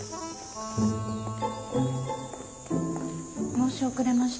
申し遅れました